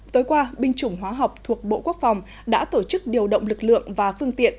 tối qua binh chủng hóa học thuộc bộ quốc phòng đã tổ chức điều động lực lượng và phương tiện